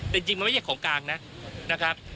แต่จริงมันไม่ใช่ของกลางนะครับ